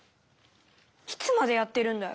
いつまでやってるんだよ。